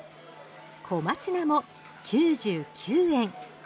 小松菜も９９円。